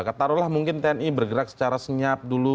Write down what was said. katarolah mungkin tni bergerak secara senyap dulu